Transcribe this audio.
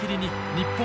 日本